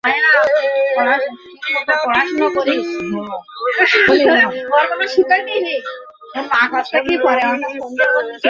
তিনি মূলত হিন্দি চলচ্চিত্রে তার কাজের জন্য সুপরিচিত।